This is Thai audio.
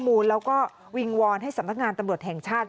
มูลแล้วก็วิงวอนให้สำนักงานตำรวจแห่งชาติ